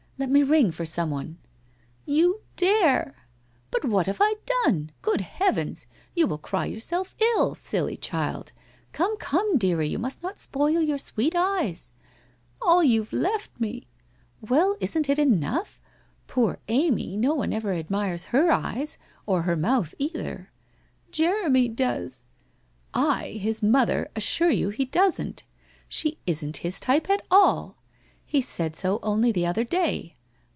Let me ring for someone.' ' You dare !'' But what have I done ? Gpod heavens ! You will cry yourself ill ! Silly child ! Come, come, dearie, you must not spoil your sweet eyes !'' All you've left me !'' Well, isn't it enough? Poor Amy, no one ever admires her eyes — or her mouth either/ 1 Jeremy does.' ' I, his mother, assure you he doesn't. She isn't his type at all. He said so only the other day.'